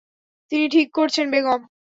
ঠিকি করছেন বেগম।